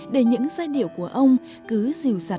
để những giai điệu của ông cứ dìu dàng